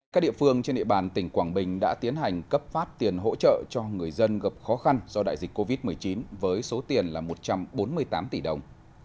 các địa phương trên địa bàn tỉnh quảng bình đã tiến hành cấp phát tiền hỗ trợ cho người dân gặp khó khăn do đại dịch covid một mươi chín với số tiền là một trăm bốn mươi tám tỷ đồng